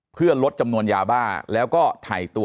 เพื่อลดจำนวนยาบ้า